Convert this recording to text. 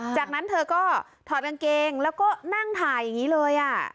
จากนั้นเธอก็ถอดกางเกงแล้วก็นั่งถ่ายอย่างนี้เลย